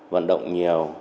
vận động nhiều